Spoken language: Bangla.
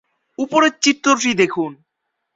উপরের চিত্রটি দেখুন।